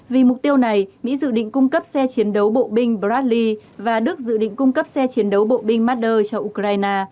vì mục tiêu này mỹ dự định cung cấp xe chiến đấu bộ binh bradli và đức dự định cung cấp xe chiến đấu bộ binh madder cho ukraine